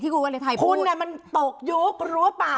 คุณเนี่ยมันตะกยุครู้หรือเปล่า